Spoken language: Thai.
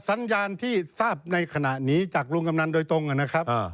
สัญญาณที่ทราบในขณะนี้จากลุงกำนันโดยตรงนะครับ